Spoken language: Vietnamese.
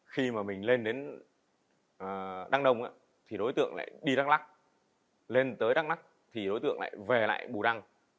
khi mà mình lên đến đăng nông thì đối tượng lại đi đắk lắc lên tới đắk lắc thì đối tượng lại về lại bù đăng